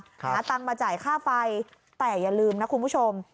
หาตังค์มาจ่ายค่าไฟแต่อย่าลืมนะคุณผู้ชม